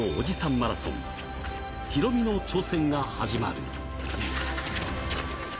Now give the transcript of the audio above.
マラソン、ヒロミの挑戦が始まる。